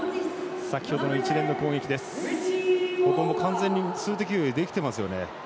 ここも完全に数的優位ができていますよね。